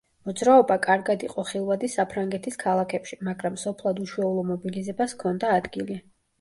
მოძრაობა კარგად იყო ხილვადი საფრანგეთის ქალაქებში, მაგრამ სოფლად უჩვეულო მობილიზებას ჰქონდა ადგილი.